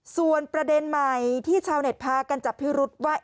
ส่วนประเด็นใหม่ที่ชาวเน็ตพากันจับพิรุษว่า